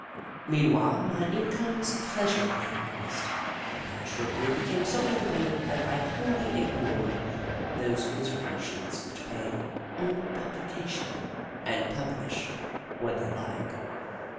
Meanwhile my in come was pleasurably increased, and I shortly Snoof 57 became so independent that I wholly ignored those miserable sheets which pay " on publica tion " and publish when they like.